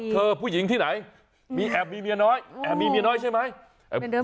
ผู้หญิงที่ไหนมีแอบมีเมียน้อยแอบมีเมียน้อยใช่ไหม